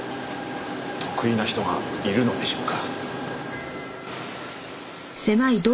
得意な人がいるのでしょうか？